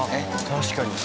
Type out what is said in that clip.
確かに。